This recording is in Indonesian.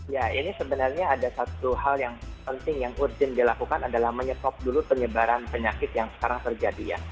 ya ini sebenarnya ada satu hal yang penting yang urgent dilakukan adalah menyetop dulu penyebaran penyakit yang sekarang terjadi ya